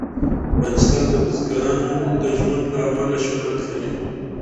افغانستان د بزګانو د ژوند له امله شهرت لري.